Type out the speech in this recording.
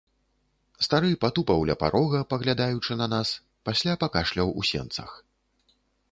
Стары патупаў ля парога, паглядаючы на нас, пасля пакашляў у сенцах.